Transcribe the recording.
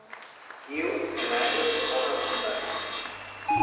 Viu en aigües de poca fondària.